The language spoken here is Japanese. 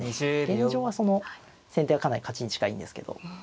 現状は先手がかなり勝ちに近いんですけど。